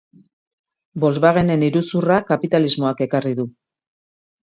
Volkswagenen iruzurra kapitalismoak ekarri du.